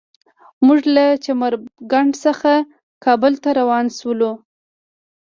موږ له چمر کنډ څخه کابل ته روان شولو.